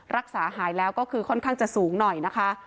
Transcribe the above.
รักษาหายแล้วก็คือค่อนข้างจะสูงหน่อยนะคะ